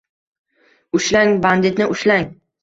— Ushlang banditni, ushlang!